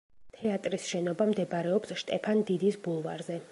თეატრის შენობა მდებარეობს შტეფან დიდის ბულვარზე.